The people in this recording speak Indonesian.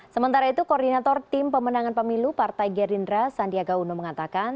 sementara itu koordinator tim pemenangan pemilu partai gerindra sandiaga uno mengatakan